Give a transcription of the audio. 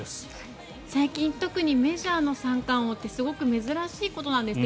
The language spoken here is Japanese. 最近特にメジャーの三冠王って珍しいことなんですね